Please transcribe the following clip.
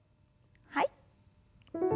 はい。